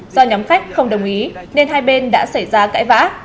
do nhóm khách không đồng ý nên hai bên đã xảy ra cãi vã